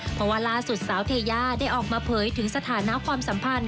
เพราะว่าล่าสุดสาวเทย่าได้ออกมาเผยถึงสถานะความสัมพันธ์